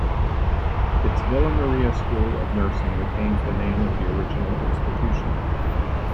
Its "Villa Maria School of Nursing" retains the name of the original institution.